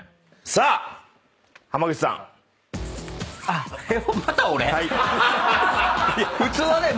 さあ濱口さん。え？